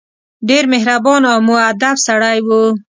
ډېر مهربان او موءدب سړی وو.